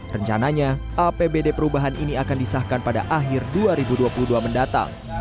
rencananya apbd perubahan ini akan disahkan pada akhir dua ribu dua puluh dua mendatang